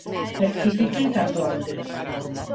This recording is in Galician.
Rectifiquen canto antes.